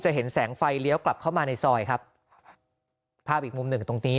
เห็นแสงไฟเลี้ยวกลับเข้ามาในซอยครับภาพอีกมุมหนึ่งตรงนี้